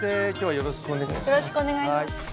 よろしくお願いします。